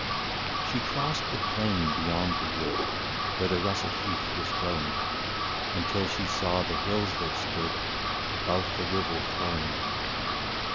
She crossed the plain beyond the wood, Where the russet heath was growing, Until she saw the hills that stood Above the river flowing.